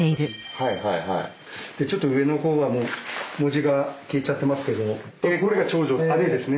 でちょっと上のほうはもう文字が消えちゃってますけどこれが長女姉ですね